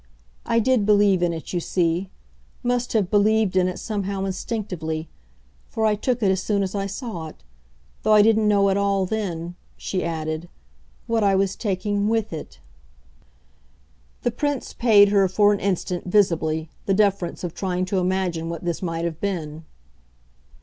I did 'believe in it,' you see must have believed in it somehow instinctively; for I took it as soon as I saw it. Though I didn't know at all then," she added, "what I was taking WITH it." The Prince paid her for an instant, visibly, the deference of trying to imagine what this might have been.